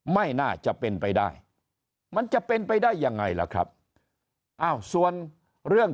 ไม่น่าจะเป็นไปได้มันจะเป็นไปได้ยังไงล่ะครับอ้าวส่วนเรื่อง